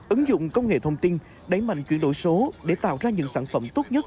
ứng dụng công nghệ thông tin đẩy mạnh chuyển đổi số để tạo ra những sản phẩm tốt nhất